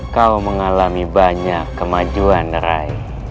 kau mengalami banyak kemajuan rai